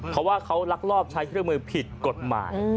เพราะว่าเขาลักลอบใช้เครื่องมือผิดกฎหมาย